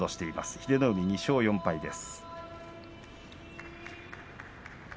英乃海、３勝３敗です。